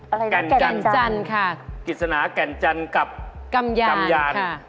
อะไรนะแก่นจันทร์ค่ะกิจสนาแก่นจันทร์กับกำยานค่ะแก่นจันทร์ค่ะ